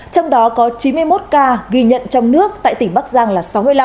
trong đó có chín mươi một ca ghi nhận trong nước tại tỉnh bắc giang là sáu mươi năm